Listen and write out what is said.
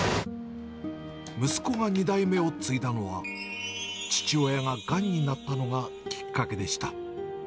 息子が２代目を継いだのは、父親ががんになったのがきっかけでした。